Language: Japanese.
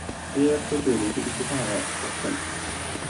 契約途中で移籍してファンはがっかり